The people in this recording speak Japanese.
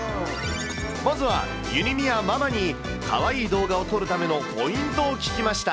まずは、ゆにみあママに、かわいい動画を撮るためのポイントを聞きました。